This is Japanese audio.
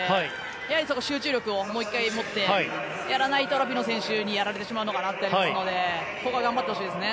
やはり集中力をもう１回持ってやらないとラピノ選手にやられてしまうと思いますのでここは頑張ってほしいですね。